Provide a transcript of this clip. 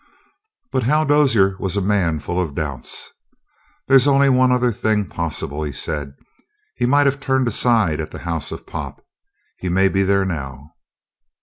But Hal Dozier was a man full of doubts. "There's only one other thing possible," he said. "He might have turned aside at the house of Pop. He may be there now."